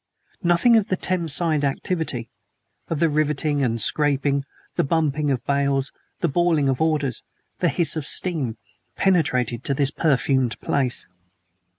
Nothing of the Thames side activity of the riveting and scraping the bumping of bales the bawling of orders the hiss of steam penetrated to this perfumed place.